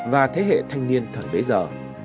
và thế hệ thanh niên thần bấy giờ